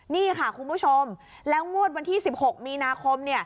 นี่ค่ะคุณผู้ชมแล้วงวดวันที่๑๖มีนาคม